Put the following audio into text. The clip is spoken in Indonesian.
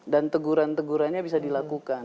dan teguran tegurannya bisa dilakukan